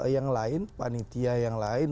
yang lain panitia yang lain